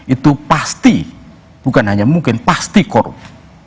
itu pasti bukan hanya mungkin pasti korup